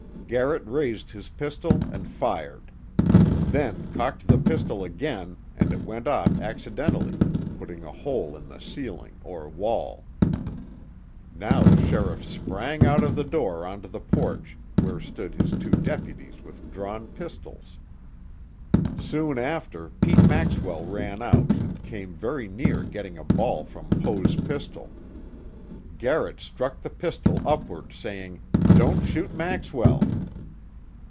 Garrett raised his pistol and fired. Then cocked the pistol again and it went off accidentally, putting a hole in the ceiling, or wall. Now the sheriff sprang out of the door onto the porch, where stood his two deputies with drawn pistols. Soon after, Pete Maxwell ran out, and came very near getting a ball from Poe's pistol. Garrett struck the pistol upward, saying: "Don't shoot Maxwell!"